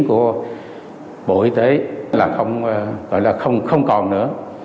giả chiến của bộ y tế là không còn nữa